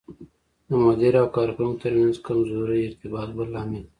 د مدیر او کارکوونکو ترمنځ کمزوری ارتباط بل لامل دی.